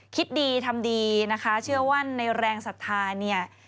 คิดดีทำดีนะคะเชื่อว่าในแรงศรัทธาเนี่ย